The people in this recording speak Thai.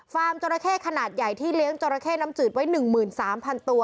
จราเข้ขนาดใหญ่ที่เลี้ยงจราเข้น้ำจืดไว้๑๓๐๐๐ตัว